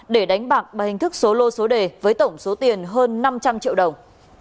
để đánh bạc bằng hình thức số lô số đề với tổng số tiền hơn năm trăm linh triệu đồng